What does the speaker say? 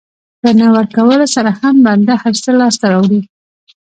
په نه ورکولو سره هم بنده هر څه لاسته راوړي.